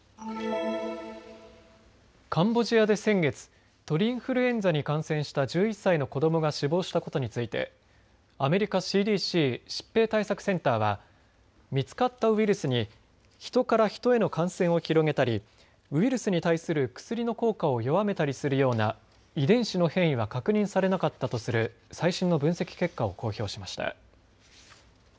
カンボジアで先月、鳥インフルエンザに感染した１１歳の子どもが死亡したことについてアメリカＣＤＣ・疾病対策センターは見つかったウイルスにヒトからヒトへの感染を広げたりウイルスに対する薬の効果を弱めたりするような遺伝子の変異は確認されなかったとする最新の分析結果を公表しました。